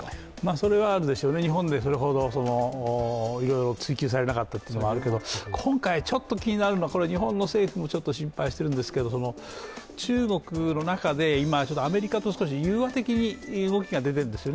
それはあるでしょうね、日本でそれほどいろいろ追及されなかったというのもあるけど、今回、ちょっと気になるのは日本の政府も心配しているんですけれども、中国の中で今、アメリカと少し融和的な動きが出ているんですね。